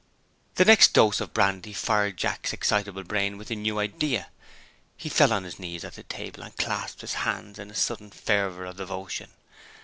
The next dose of brandy fired Jack's excitable brain with a new idea. He fell on his knees at the table, and clasped his hands in a sudden fervor of devotion.